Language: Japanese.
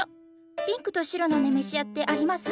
ピンクと白のネメシアってあります？